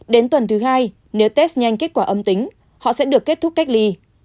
đến tuần thứ hai nếu test nhanh kết quả âm tính họ sẽ được kết thúc cách ly